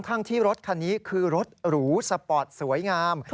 ทั้งที่รถคันนี้คือรถหรูสปอร์ตสวยงาม